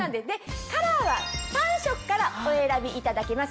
カラーは３色からお選びいただけます。